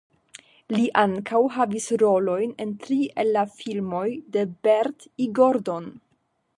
Li ankaŭ havis rolojn en tri el la filmoj de Bert I. Gordon.